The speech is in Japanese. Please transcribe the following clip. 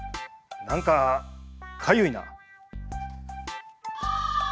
何かかゆいな」。